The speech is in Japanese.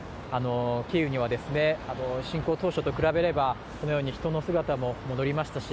キーウには侵攻当時と比べればこのように人の姿も戻りましたし